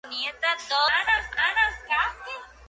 El lema del periódico es: "Una ventana abierta al mundo judío".